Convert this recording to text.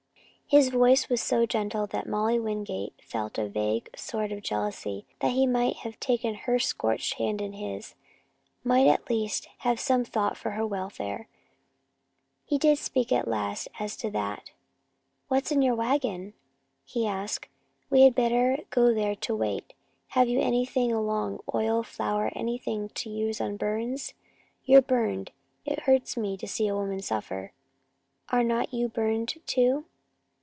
His voice was so gentle that Molly Wingate felt a vague sort of jealousy. He might have taken her scorched hand in his, might at least have had some thought for her welfare. He did speak at last as to that. "What's in your wagon?" he asked. "We had better go there to wait. Have you anything along oil, flour, anything to use on burns? You're burned. It hurts me to see a woman suffer." "Are not you burned too?"